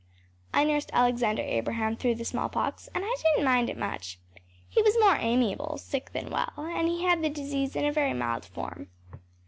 I nursed Alexander Abraham through the smallpox, and I didn’t mind it much. He was much more amiable sick than well, and he had the disease in a very mild form.